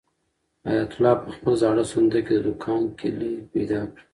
حیات الله په خپل زاړه صندوق کې د دوکان کلۍ پیدا کړه.